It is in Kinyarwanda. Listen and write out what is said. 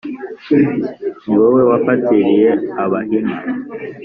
Ni wowe wafatiriye Abahima?"